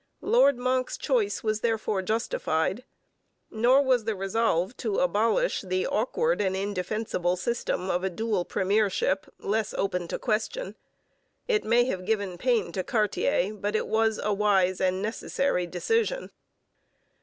Lord Monck's choice was therefore justified. Nor was the resolve to abolish the awkward and indefensible system of a dual premiership less open to question. It may have given pain to Cartier, but it was a wise and necessary decision.